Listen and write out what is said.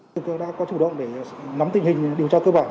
chúng tôi đã có chủ động để nắm tình hình điều tra cơ bản